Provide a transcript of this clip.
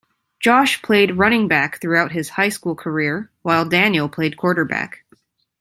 Josh played running back throughout his high school career while Daniel played quarterback.